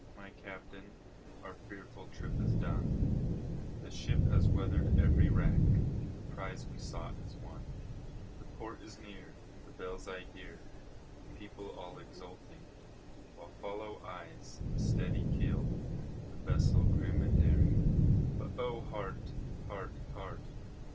my Captain, our fearful trip is done, The ship has weather'd every rack, the prize we sought is won, The port is near, the bells I hear, the people all exulting, While follow eyes the steady keel, the vessel grim and daring; But O heart! heart! heart!